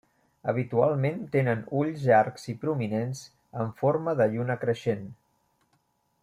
Habitualment tenen ulls llargs i prominents en forma de lluna creixent.